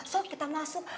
so kita masuk